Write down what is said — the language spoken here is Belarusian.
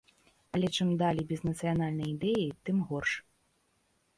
Але чым далей без нацыянальнай ідэі, тым горш.